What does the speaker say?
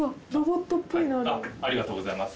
ありがとうございます。